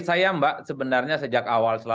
saya mbak sebenarnya sejak awal